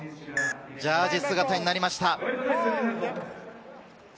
ジャージー姿になりました。